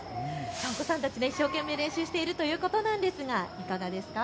お子さんたち一生懸命練習しているということですがいかがですか。